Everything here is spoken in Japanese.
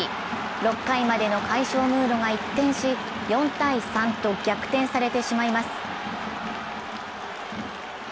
６回までの快勝ムードが一転し、４−３と逆転されてしまいます。